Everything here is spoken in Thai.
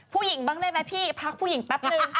ผู้หญิงบ้างได้ไหมพี่พักผู้หญิงแป๊บนึง